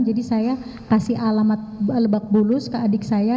jadi saya kasih alamat lebak bulus ke adik saya